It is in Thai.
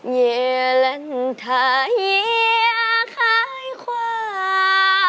เยลันทะเยียขายควาย